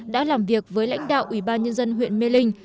đã làm việc với lãnh đạo ủy ban nhân dân huyện mê linh